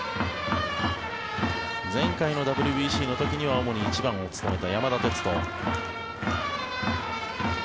前回のＷＢＣの時には主に１番を務めた山田哲人。